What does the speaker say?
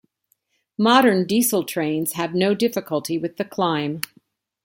Modern diesel trains have no difficulty with the climb.